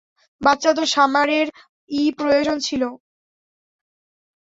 বাচ্চা তো সামারের- ই প্রয়োজন ছিলো।